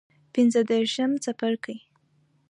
پنځه دیرشم څپرکی